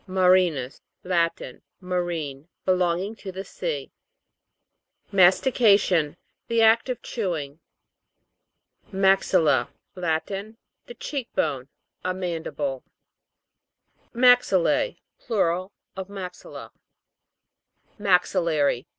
MARI'NUS. Latin. Marine ; belong ing to the sea. MASTICA'TION. The act of chewing. MAX'ILLA. Latin. The cheek bone ; a mandible. . Plural of Maxilla. MAX'ILLARY.